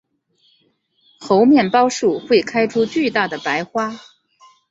猴面包树会开出巨大的白花。